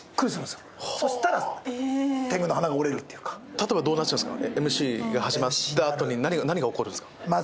例えばどうなっちゃうんですか？